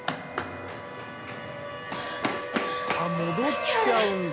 あ戻っちゃうんだ。